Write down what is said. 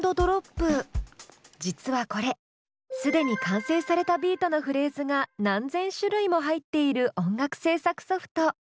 実はこれ既に完成されたビートのフレーズが何千種類も入っている音楽制作ソフト。